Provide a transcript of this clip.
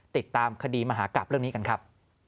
ติดตามคดีมหากราบเรื่องนี้กันครับ